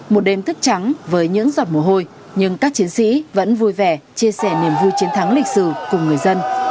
một đêm thức trắng với những giọt mồ hôi nhưng các chiến sĩ vẫn vui vẻ chia sẻ niềm vui chiến thắng lịch sử cùng người dân